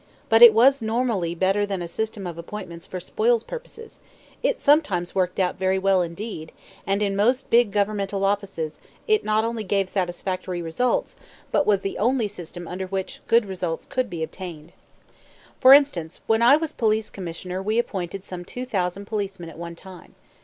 But it was normally better than a system of appointments for spoils purposes; it sometimes worked out very well indeed; and in most big governmental offices it not only gave satisfactory results, but was the only system under which good results could be obtained. For instance, when I was Police Commissioner we appointed some two thousand policemen at one time.